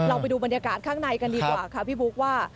ไปดูบรรยากาศข้างในกันดีกว่าค่ะพี่บุ๊คว่า